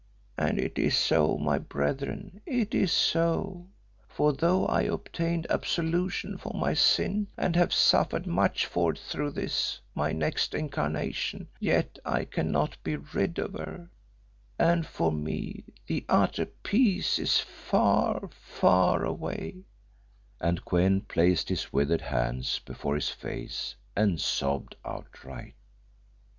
"And it is so, my brethren, it is so; for though I obtained absolution for my sin and have suffered much for it through this, my next incarnation, yet I cannot be rid of her, and for me the Utter Peace is far, far away," and Kou en placed his withered hands before his face and sobbed outright.